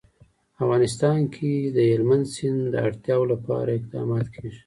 افغانستان کې د هلمند سیند د اړتیاوو لپاره اقدامات کېږي.